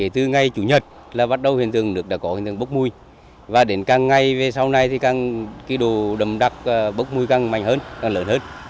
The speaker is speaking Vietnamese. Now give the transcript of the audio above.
từ ngày chủ nhật là bắt đầu huyền thường nước đã có huyền thường bốc mùi và đến càng ngày về sau này thì càng cái đồ đầm đặc bốc mùi càng mạnh hơn càng lớn hơn